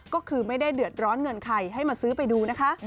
ก็คือไม่ได้เดือดร้อนเงินใครให้มาซื้อไปดูนะคะ